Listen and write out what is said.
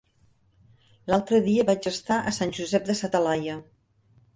L'altre dia vaig estar a Sant Josep de sa Talaia.